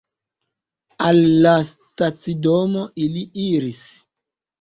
Al la stacidomo ili iris.